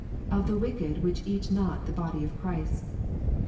Of the Wicked which eat not the Body of Christ.